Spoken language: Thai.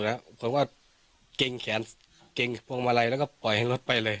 เขาว่าเกงแขนไฟก็บอก